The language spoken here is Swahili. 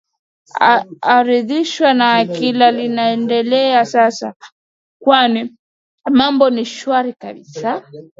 aridhishwa na kila linaliendelea sasa kwani mambo ni shwari kabisa